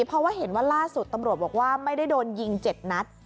เพราะว่าเห็นว่าล่าสุดตำรวจบอกว่าไม่ได้โดนยิง๗นัด